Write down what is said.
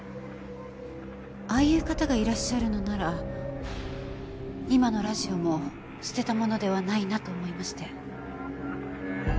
ああいう方がいらっしゃるのなら今のラジオも捨てたものではないなと思いまして。